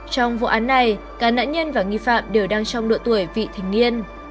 trong vụ án này cả nạn nhân và nghi phạm đều đang trong độ tuổi vị thành niên